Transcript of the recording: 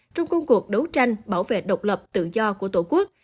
trong công cuộc đấu tranh bảo vệ độc lập tự do của tổ quốc